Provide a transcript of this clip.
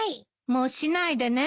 もうしないでね。